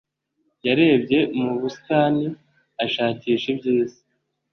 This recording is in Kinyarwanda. yarebye mu busitani, ashakisha ibyiza